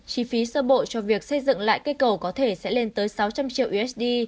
chi phí sơ bộ cho việc xây dựng lại cây cầu có thể sẽ lên tới sáu trăm linh triệu usd